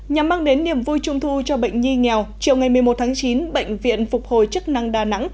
nhằm mang đến niềm vui trung thu cho bệnh nhi nghèo chiều ngày một mươi một tháng chín bệnh viện phục hồi chức năng đà nẵng